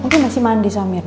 mungkin masih mandi sama mirna